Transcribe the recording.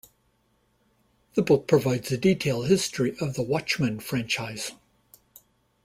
The book provides a detailed history of the Watchmen franchise.